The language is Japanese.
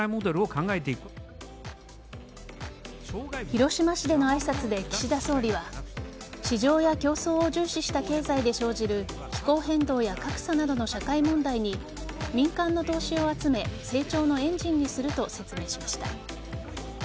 広島市での挨拶で岸田総理は市場や競争を重視した経済で生じる気候変動や格差などの社会問題に民間の投資を集め成長のエンジンにすると説明しました。